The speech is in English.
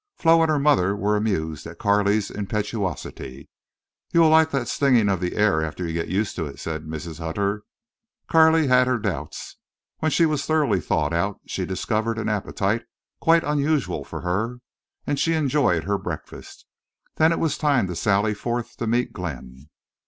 Flo and her mother were amused at Carley's impetuosity. "You'll like that stingin' of the air after you get used to it," said Mrs. Hutter. Carley had her doubts. When she was thoroughly thawed out she discovered an appetite quite unusual for her, and she enjoyed her breakfast. Then it was time to sally forth to meet Glenn.